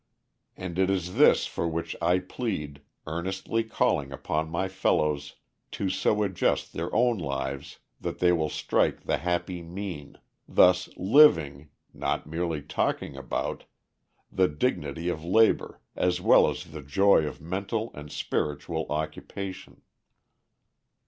And it is this for which I plead, earnestly calling upon my fellows to so adjust their own lives that they will strike the happy mean, thus living (not merely talking about) the dignity of labor as well as the joy of mental and spiritual occupation.